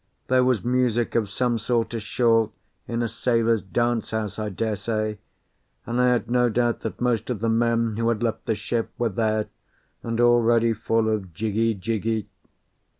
There was music of some sort ashore, in a sailors' dance house, I daresay; and I had no doubt that most of the men who had left the ship were there, and already full of jiggy jiggy.